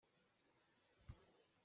A ram caah a nunnak pek a sian.